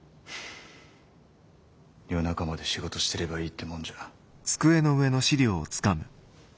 夜中まで仕事してればいいってもんじゃ。